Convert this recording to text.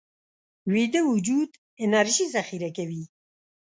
ویده وجود انرژي ذخیره کوي